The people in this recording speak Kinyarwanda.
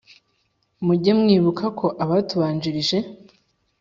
mujye mwibuka ko abatubanjirije